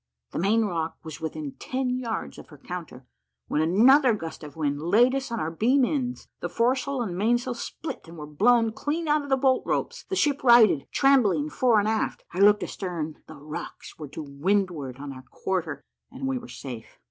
The main rock was within ten yards of her counter, when another gust of wind laid us on our beam ends; the foresail and mainsail split, and were blown clean out of the bolt ropes the ship righted, trembling fore and aft. I looked astern: the rocks were to windward on our quarter, and we were safe.